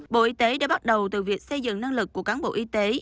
bộ y tế đã bắt đầu từ việc xây dựng năng lực của cán bộ y tế